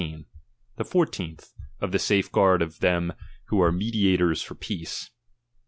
The fourteenth, of the safeguard of them who are mediators for peace.